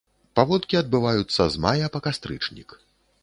Паводкі адбываюцца з мая па кастрычнік.